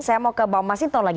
saya mau ke mbak mas inton lagi